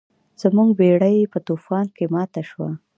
زموږ بیړۍ په طوفان کې ماته شوه.